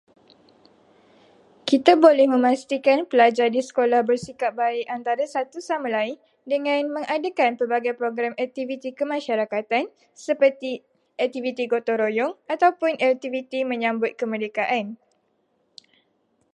Kita boleh memastikan pelajar di sekolah bersikap baik antara satu sama lain dengan mengadakan pelbagai prgoram aktiviti kemasyarakatan seperti aktiviti gotong royong ataupun aktiviti menyambut kemerdekaan.